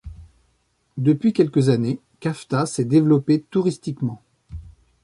Depuis quelques années, Cavtat s'est développée touristiquement.